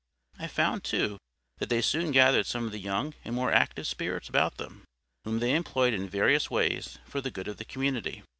I found, too, that they soon gathered some of the young and more active spirits about them, whom they employed in various ways for the good of the community.